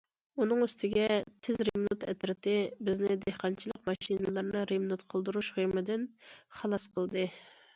ئۇنىڭ ئۈستىگە‹‹ تېز رېمونت ئەترىتى›› بىزنى دېھقانچىلىق ماشىنىلىرىنى رېمونت قىلدۇرۇش غېمىدىن خالاس قىلدى.